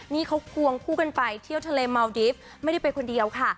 นี่เขาควงคู่กันไปเที่ยวทะเลเมาดิฟต์ไม่ได้ไปคนเดียวค่ะ